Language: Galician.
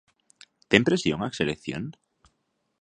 Ten presión a selección?